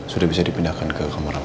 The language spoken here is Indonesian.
sudah bisa dipindahkan ke kamar